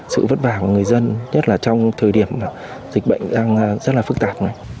sự vất vả của người dân nhất là trong thời điểm dịch bệnh đang rất là phức tạp này